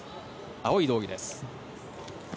青い道着です。